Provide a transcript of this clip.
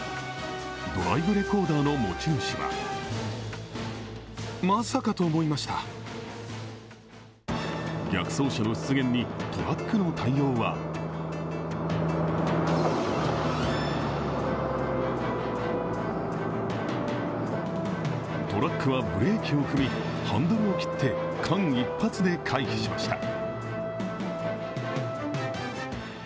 ドライブレコーダーの持ち主は逆走車の出現にトラックの対応はトラックはブレーキを踏み、ハンドルをきって間一髪で回避しました。